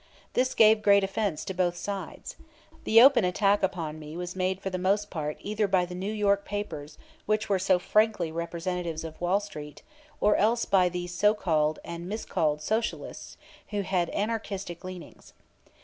This gave great offense to both sides. The open attack upon me was made for the most part either by the New York newspapers which were frankly representatives of Wall Street, or else by those so called and miscalled Socialists who had anarchistic leanings.